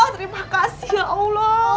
terima kasih ya allah